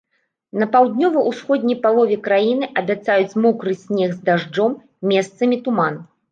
На паўднёва-усходняй палове краіны абяцаюць мокры снег з дажджом, месцамі туман.